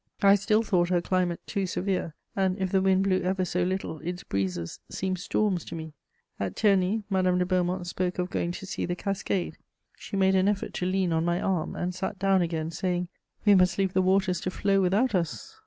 I still thought her climate too severe, and, if the wind blew ever so little, its breezes seemed storms to me. At Terni, Madame de Beaumont spoke of going to see the cascade; she made an effort to lean on my arm, and sat down again, saying: "We must leave the waters to flow without us."